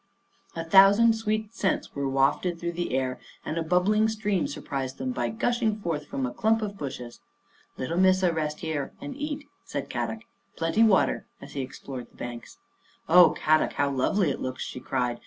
A thousand sweet scents were wafted through the air and a bubbling stream surprised them by gushing forth from a clump of bushes. V Little Missa rest and eat here," said Kadok. " Plenty water," as he explored the banks. " Oh, Kadok, how lovely it looks," she cried.